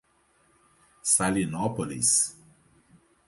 Salinópolis